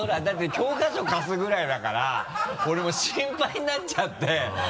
だって教科書貸すぐらいだから俺も心配になっちゃって。